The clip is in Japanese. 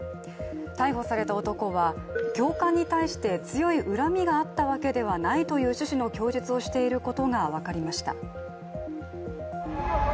逮捕された男は教官に対して強い恨みがあったわけではないという趣旨の供述をしていることが分かりました。